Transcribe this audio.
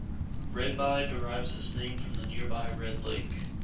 Redby derives its name from nearby Red Lake.